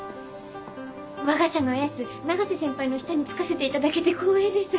我が社のエース永瀬先輩の下につかせていただけて光栄です。